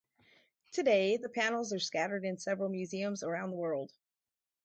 Today the panels are scattered in several museums around the world.